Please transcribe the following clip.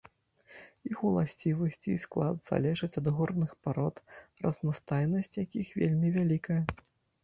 Іх уласцівасці і склад залежаць ад горных парод, разнастайнасць якіх вельмі вялікая.